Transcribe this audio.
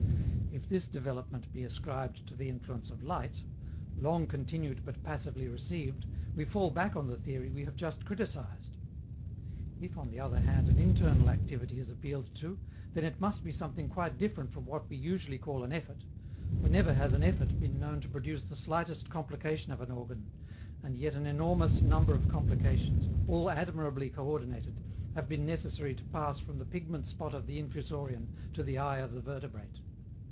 If this development be ascribed to the influence of light, long continued but passively received, we fall back on the theory we have just criticized. If, on the other hand, an internal activity is appealed to, then it must be something quite different from what we usually call an effort, for never has an effort been known to produce the slightest complication of an organ, and yet an enormous number of complications, all admirably coördinated, have been necessary to pass from the pigment spot of the Infusorian to the eye of the vertebrate.